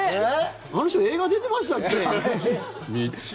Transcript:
あの人、映画出てましたっけ？